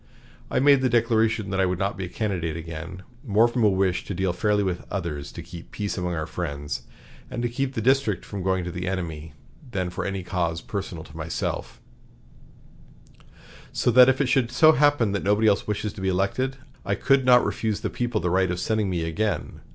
I made the declaration that I would not be a candidate again, more from a wish to deal fairly with others, to keep peace among our friends, and to keep the district from going to the enemy, than for any cause personal to myself; so that, if it should so happen that nobody else wishes to be elected, I could not refuse the people the right of sending me again.